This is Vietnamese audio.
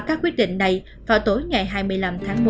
các quyết định này vào tối ngày hai mươi năm tháng một